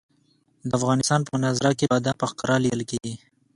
د افغانستان په منظره کې بادام په ښکاره لیدل کېږي.